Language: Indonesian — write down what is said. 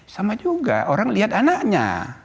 sama juga orang lihat anaknya